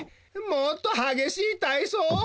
もっとはげしいたいそう？